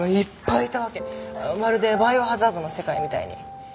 まるで『バイオハザード』の世界みたいに。